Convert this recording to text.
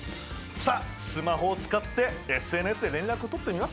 さあスマホを使ってＳＮＳで連絡をとってみますかね。